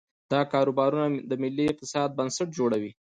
دا کاروبارونه د ملي اقتصاد بنسټ جوړوي.